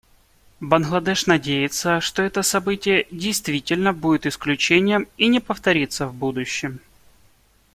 Бангладеш надеется, что это событие, действительно, будет исключением и не повторится в будущем.